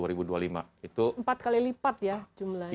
itu empat kali lipat ya jumlahnya